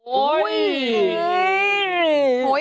โอ้ย